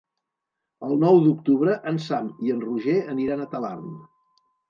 El nou d'octubre en Sam i en Roger aniran a Talarn.